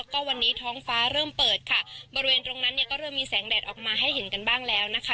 ก็วันนี้ท้องฟ้าเริ่มเปิดค่ะบริเวณตรงนั้นเนี่ยก็เริ่มมีแสงแดดออกมาให้เห็นกันบ้างแล้วนะคะ